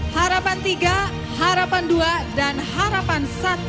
harapan tiga harapan dua dan harapan satu